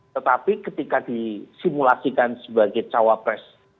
tetapi ketika disimulasikan sebagai cawapres